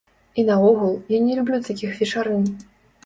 І наогул, я не люблю такіх вечарын.